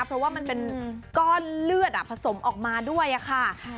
เพราะว่ามันเป็นก้อนเลือดผสมออกมาด้วยค่ะ